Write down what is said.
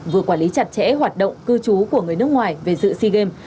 vừa quản lý chặt chẽ hoạt động cư trú của người nước ngoài về dự si game